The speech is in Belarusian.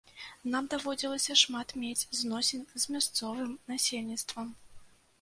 Нам даводзілася шмат мець зносін з мясцовым насельніцтвам.